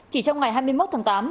chỉ trong ngày hai mươi một tháng tám